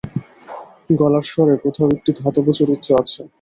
গলার স্বরে কোথাও একটি ধাতব চরিত্র আছে।